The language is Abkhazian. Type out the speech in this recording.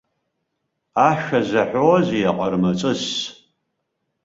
Ашәа заҳәозеи аҟармаҵыс?